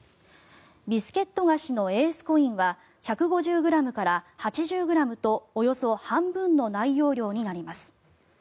ビスケット菓子のエースコインは１５０ｇから８０ｇとおよそ半分の内容量になります。